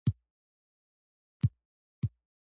نو دوی د نړۍ ډېره برخه غواړي